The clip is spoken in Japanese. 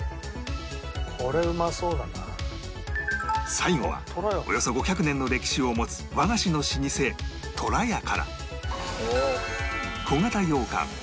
最後はおよそ５００年の歴史を持つ和菓子の老舗とらやから